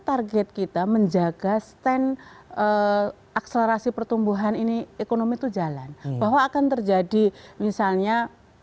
target kita menjaga stand akselerasi pertumbuhan ini ekonomi itu jalan bahwa akan terjadi misalnya